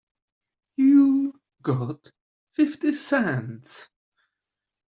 You got fifty cents?